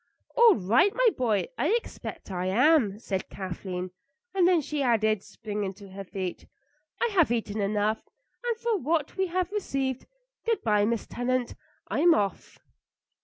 "All right, my boy; I expect I am," said Kathleen; and then she added, springing to her feet, "I have eaten enough, and for what we have received Good bye, Mrs. Tennant; I'm off."